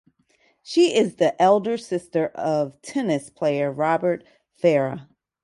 She is the elder sister of tennis player Robert Farah.